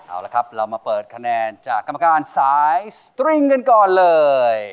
เอาละครับเรามาเปิดคะแนนจากกรรมการสายสตริงกันก่อนเลย